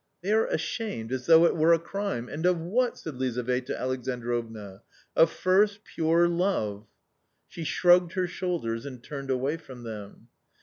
" They are ashamed, as though it were a crime, and of what !" said Lizaveta Alexandrovna ;" of first, pure love." She shrugged her shoulders and turned away from them.